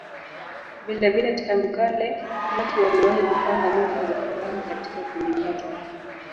Vilevile tangu kale watu waliwahi kupanga nyota za angani katika kundinyota.